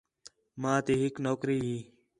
ماں تی ہِک نوکری ہی